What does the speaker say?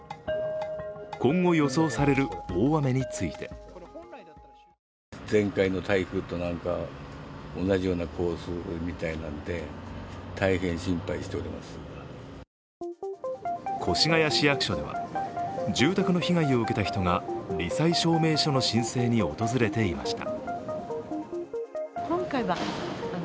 今後予想される大雨について越谷市役所では、住宅の被害を受けた人がり災証明書の申請に訪れていました。